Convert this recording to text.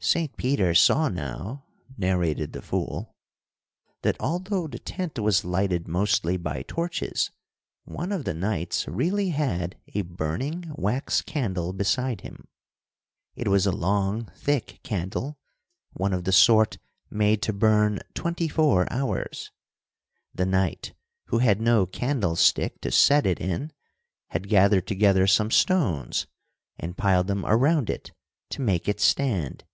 "Saint Peter saw now," narrated the fool, "that, although the tent was lighted mostly by torches, one of the knights really had a burning wax candle beside him. It was a long, thick candle, one of the sort made to burn twenty four hours. The knight, who had no candlestick to set it in, had gathered together some stones and piled them around it, to make it stand."